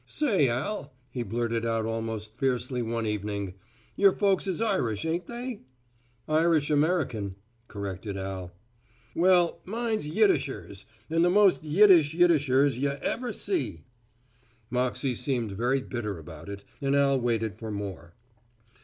"Say, Al," he blurted out almost fiercely one evening, "your folks is Irish, ain't they?" "Irish American," corrected Al. "Well, mine's Yiddishers, and the most Yiddish Yiddishers y'ever see." Moxey seemed very bitter about it and Al waited for more.